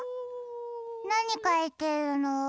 なにかいてるの？